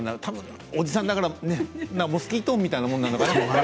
たぶんおじさんだからモスキート音みたいな感じなのかな。